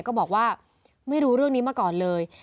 ก็บอกว่าไม่รู้เรื่องนี้มาก่อนเลย